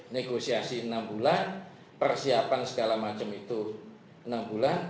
negosiasi enam bulan persiapan segala macam itu enam bulan